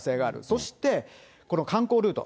そして、この観光ルート。